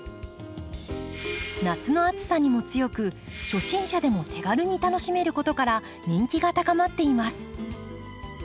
夏の暑さにも強く初心者でも手軽に楽しめることから人気が高まっています。